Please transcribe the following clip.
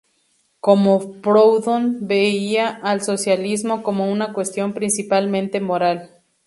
Como Proudhon, veía al socialismo como una cuestión principalmente moral.